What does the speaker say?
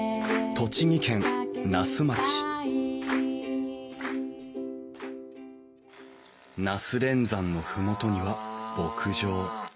栃木県那須町那須連山の麓には牧場。